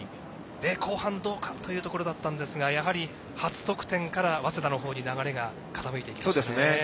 後半どうかというところだったんですがやはり初得点から早稲田の方に流れが傾いていきましたね。